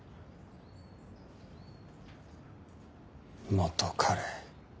元彼。